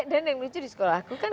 dan yang lucu di sekolah aku kan